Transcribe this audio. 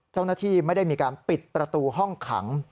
เจ้าหน้าที่ไม่ได้มีการปิดประตูห้องขัง